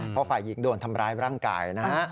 เพราะฝ่ายหญิงโดนทำร้ายร่างกายนะฮะ